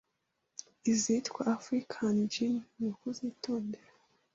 izitwa African Gin nukuzitondera